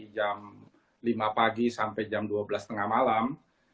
jam lima pagi sampai jam dua belas tengah malam